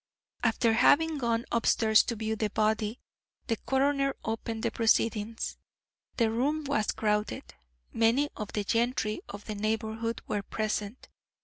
After having gone upstairs to view the body, the coroner opened the proceedings. The room was crowded. Many of the gentry of the neighbourhood were present.